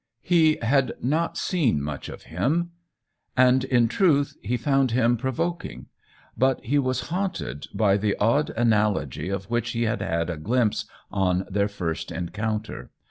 He had not seen much of him, and, in truth, he found him provoking ; but he was haunted by the odd analogy of which he had had a glimpse on their first en counter.